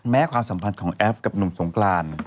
ความสัมพันธ์ของแอฟกับหนุ่มสงกราน